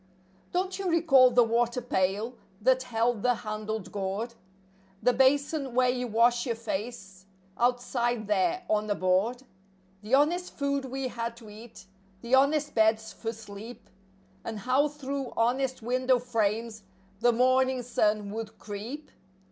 Don't you recall the water pail that held the handled gourd? The basin where you wash your face, out¬ side there on a board? The honest food we had to eat, the hon¬ est beds for sleep, And how through honest window frames the morning sun would creep?